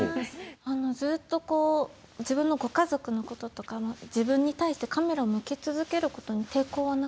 ずっとこう自分のご家族のこととか自分に対してカメラを向け続けることに抵抗はなかったんですか。